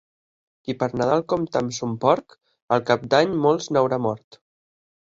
Qui per Nadal compta amb son porc, al cap de l'any molts n'haurà mort.